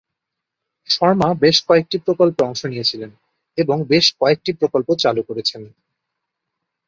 শর্মা বেশ কয়েকটি প্রকল্পে অংশ নিয়ে ছিলেন এবং বেশ কয়েকটি প্রকল্প চালু করেছেন।